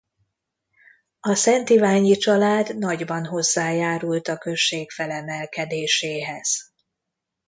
A Szentiványi család nagyban hozzájárult a község felemelkedéséhez.